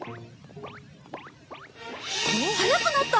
速くなった！